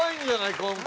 今回。